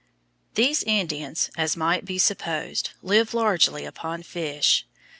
These Indians, as might be supposed, live largely upon fish.